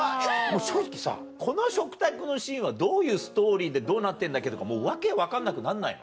正直さこの食卓のシーンはどういうストーリーでどうなってるんだっけとかもう訳分かんなくなんないの？